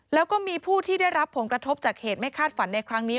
แล้วก็มีผู้ที่ได้รับผลกระทบจากเหตุไม่คาดฝันในครั้งนี้